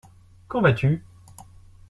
Quand vas-tu ?